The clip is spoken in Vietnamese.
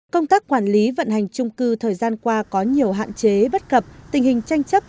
công tác quản lý vận hành trung cư thời gian qua có nhiều hạn chế bất cập tình hình tranh chấp